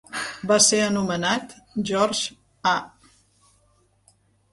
Va ser anomenat George A.